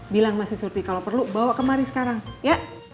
bilang mbak surti kalau perlu bawa kemari sekarang ya